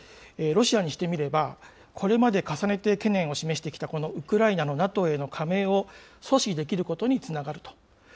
ロシアにしてみれば、これまで重ねて懸念を示してきた、このウクライナのＮＡＴＯへの加盟を阻止できることにつながると。